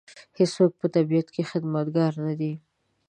هېڅوک په طبیعت کې خدمتګار نه دی.